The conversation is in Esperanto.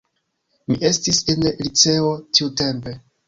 Mi estis en liceo tiutempe.